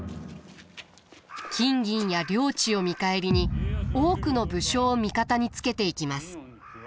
金銀や領地を見返りに多くの武将を味方につけていきます。